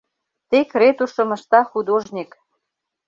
Тек ретушьым ышта художник